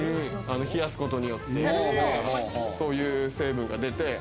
冷やすことによって、そういう成分が出て。